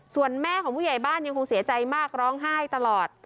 ส่วนแม่ของผู้ใหญ่บ้านยังคงเสียใจมากร้องไห้ตลอด